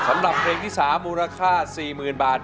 สำหรับเพลงที่๓มูลค่า๔๐๐๐บาท